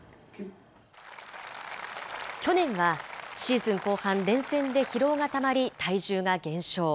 去年は、シーズン後半、連戦で疲労がたまり、体重が減少。